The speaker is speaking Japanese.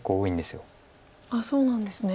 そうなんですね。